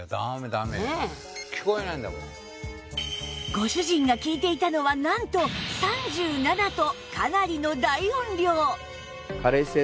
ご主人が聞いていたのはなんと３７とかなりの大音量